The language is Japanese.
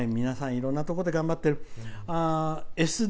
皆さん、いろんなところで頑張ってる。